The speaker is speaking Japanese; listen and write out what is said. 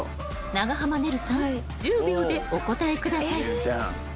長濱ねるさん１０秒でお答えください］